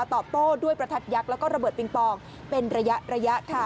ตอบโต้ด้วยประทัดยักษ์แล้วก็ระเบิดปิงปองเป็นระยะค่ะ